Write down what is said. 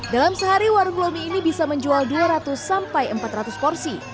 dalam sehari warung lomi ini bisa menjual dua ratus sampai empat ratus porsi